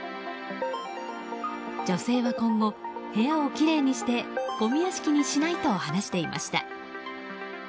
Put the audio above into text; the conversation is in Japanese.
女性は今後、部屋をきれいにしてごみ屋敷にしないと話していました。